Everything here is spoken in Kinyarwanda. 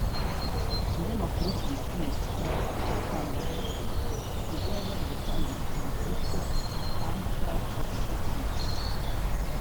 Ikinyamakuru Philippines Star cyatangaje ko ubwo yajyaga gutanga igitabo cyitwa ‘Altar of Secrets